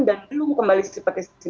dan belum kembali seperti